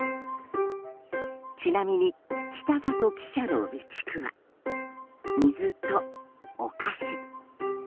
ちなみに北里記者の備蓄は水とお菓子。